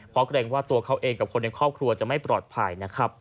เพราะเกรงว่าตัวเขาเองกับคนในครอบครัวจะไม่ปลอดภัยนะครับ